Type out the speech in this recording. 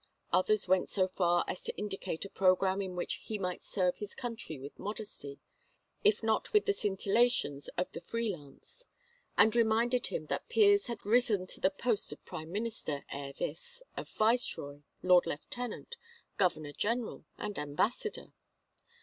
Others went so far as to indicate a program in which he might serve his country with modesty, if not with the scintillations of the free lance; and reminded him that peers had risen to the post of prime minister ere this, of viceroy, lord lieutenant, governor general, and ambassador.